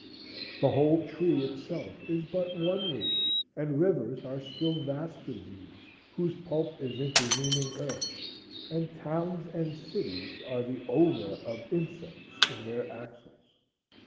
The whole tree itself is but one leaf, and rivers are still vaster leaves whose pulp is intervening earth, and towns and cities are the ova of insects in their axils.